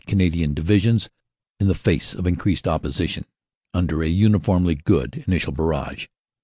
Canadian Divi sions, in the face of increased opposition, under a uniformly good initial barrage.